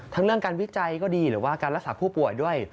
เรื่องการวิจัยก็ดีหรือว่าการรักษาผู้ป่วยด้วย